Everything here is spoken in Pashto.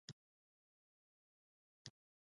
د لاسونو نرمولو لپاره د ګلسرین او ګلاب اوبه وکاروئ